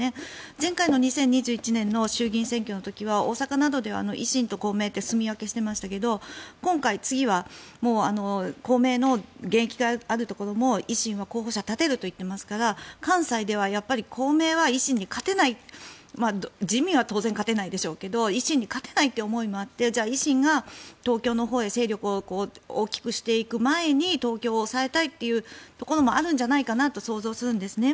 前回の２０２１年の衆議院選挙の時は大阪などでは維新と公明ってすみ分けしていましたが今回、次は公明の現役があるところも維新は候補者を立てると言っていますから関西では公明は維新に勝てない自民は当然勝てないでしょうが維新に勝てないという思いもあって維新が東京のほうへ勢力を大きくしていく前に東京を押さえたいというところもあるんじゃないかなと想像するんですね。